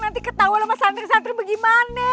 nanti ketahu sama santri santri bagaimana